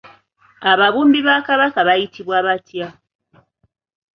Ababumbi ba Kabaka bayitibwa batya?